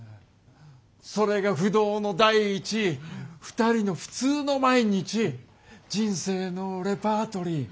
それが不動の第１位２人の普通の毎日人生のレパートリー